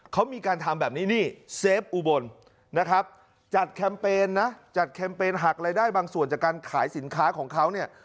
เขามีการทำแบบนี้นี่เซฟอุบลนะครับจัดแคมเปญนะจัดแคมเปญหักรายได้บางส่วนจากการขายสินค้าของเขาเนี่ย